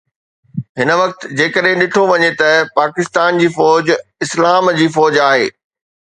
هن وقت جيڪڏهن ڏٺو وڃي ته پاڪستان جي فوج اسلام جي فوج آهي